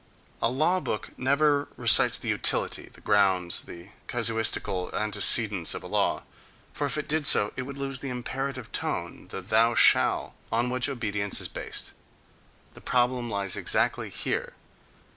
A law book never recites the utility, the grounds, the casuistical antecedents of a law: for if it did so it would lose the imperative tone, the "thou shall," on which obedience is based. The problem lies exactly here.